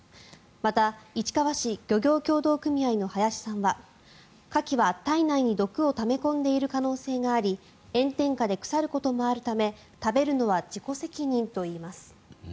また、市川市漁業協同組合の林さんはカキは体内に毒をため込んでいる可能性があり炎天下で腐ることもあるため食べるのは自己責任といいます。